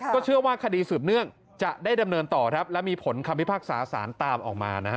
ก็เชื่อว่าคดีสืบเนื่องจะได้ดำเนินต่อครับและมีผลคำพิพากษาสารตามออกมานะฮะ